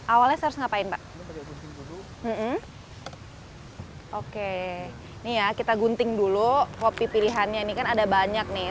awalnya saya harus ngapain pak oke ini ya kita gunting dulu kopi pilihannya ini kan ada banyak nih